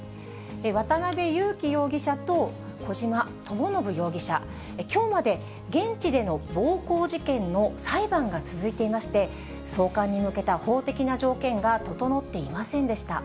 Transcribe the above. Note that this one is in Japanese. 渡辺優樹容疑者と小島智信容疑者、きょうまで現地での暴行事件の裁判が続いていまして、送還に向けた法的な条件が整っていませんでした。